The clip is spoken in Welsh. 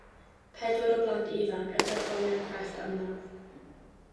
Pedwar o blant ifanc yn perfformio crefft ymladd.